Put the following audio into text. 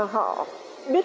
trẻ suy sức